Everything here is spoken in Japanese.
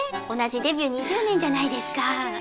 同じデビュー２０年じゃないですか。